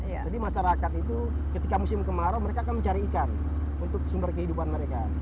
jadi masyarakat itu ketika musim kemarau mereka akan mencari ikan untuk sumber kehidupan mereka